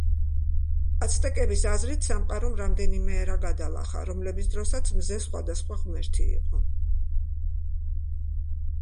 აცტეკების აზრით, სამყარომ რამდენიმე ერა გადალახა, რომლების დროსაც მზე სხვადასხვა ღმერთი იყო.